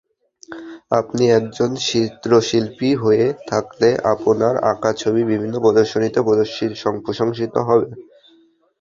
আপনি একজন চিত্রশিল্পী হয়ে থাকলে আপনার আঁকা ছবি বিভিন্ন প্রদর্শনীতে প্রশংসিত হবে।